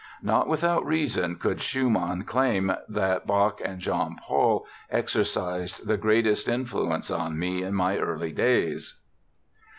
Not without reason could Schumann claim "that Bach and Jean Paul exercised the greatest influence on me in my early days".